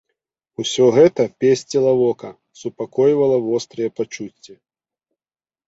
Усё гэта песціла вока, супакойвала вострыя пачуцці.